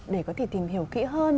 để có thể tìm hiểu kỹ hơn